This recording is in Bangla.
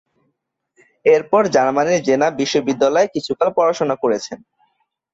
এরপর জার্মানির জেনা বিশ্ববিদ্যালয়ে কিছুকাল পড়াশোনা করেছেন।